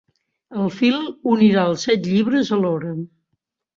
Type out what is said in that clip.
El fil unirà els set llibres alhora.